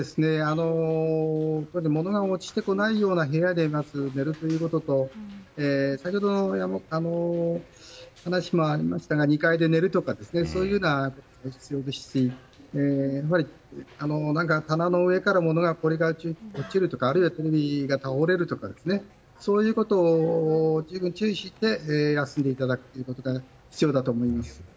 物が落ちてこないような部屋で寝るということと先ほどの話にもありましたが２階で寝るとかそういうことが必要ですしやはり棚の上から物が落ちるとかあるいはテレビが倒れるとかそういうことを十分注意して休んでいただくことが必要だと思います。